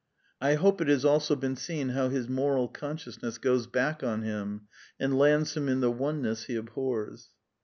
I hope it has also been seen how his moral consciousness goes back on him, and lands him in the oneness he abhors.